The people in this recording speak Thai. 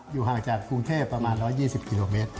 ห่างจากกรุงเทพประมาณ๑๒๐กิโลเมตร